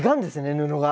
布が。